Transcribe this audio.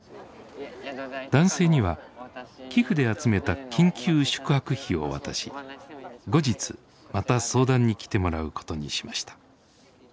男性には寄付で集めた緊急宿泊費を渡し後日また相談に来てもらうことにしました。